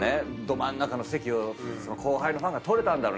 ど真ん中の席を後輩のファンが取れたんだろうね。